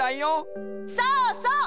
そうそう！